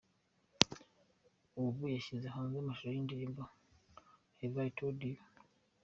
Ubu yashyize hanze amashusho y’indirimbo “Have I Told You”.